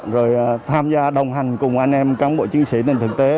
rồi tham gia đồng hành cùng anh em cán bộ chiến sĩ nền thực tế